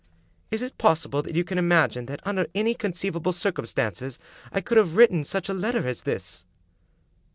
" Is it possible that you can imagine that, under any conceiv able circumstances, I could have written such a letter as this?"